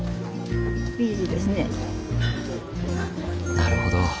なるほど。